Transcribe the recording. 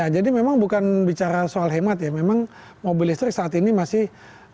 jadi memang bukan bicara soal hemat ya memang mobil listrik saat ini masih